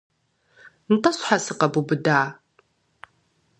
Нтӏэ щхьэ сыкъэбубыда?